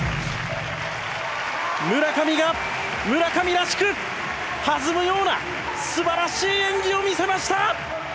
村上が村上らしく弾むようなすばらしい演技を見せました！